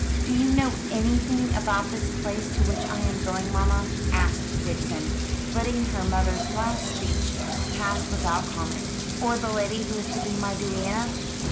"Do you know anything about this place to which I am going, mamma?" asked Vixen, letting her mother's last speech pass without comment; "or the lady who is to be my duenna?"